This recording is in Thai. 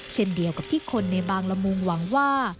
เช่นเดียวกับที่คนในบางละมุงหวังว่า